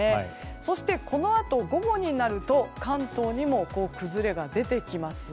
そして、このあと午後になると関東にも崩れが出てきます。